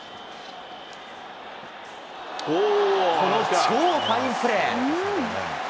この超ファインプレー。